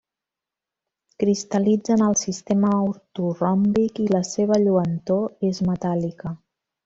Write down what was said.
Cristal·litza en el sistema ortoròmbic i la seva lluentor és metàl·lica.